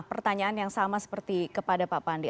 pertanyaan yang sama seperti kepada pak pandi